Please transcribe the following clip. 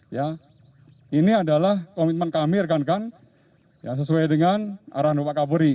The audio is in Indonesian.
ya ini adalah komitmen kami rekan rekan sesuai dengan arahan bapak kapolri